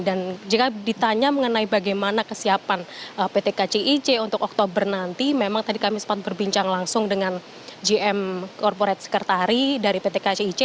dan jika ditanya bagaimana kesiapan pt kcic untuk oktober nanti memang tadi kami sempat berbincang langsung dengan gm corporate secretary dari pt kcic